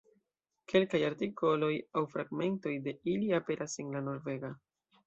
Kelkaj artikoloj aŭ fragmentoj de ili aperas en la Norvega.